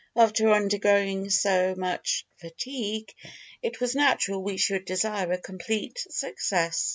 After undergoing so much fatigue, it was natural we should desire a complete success.